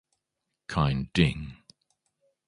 Kein Ding.